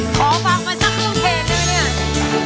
ขอฟังมาสักเครื่องเพลงด้วยเนี่ย